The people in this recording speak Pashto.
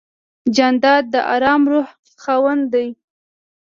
جانداد د آرام روح خاوند دی.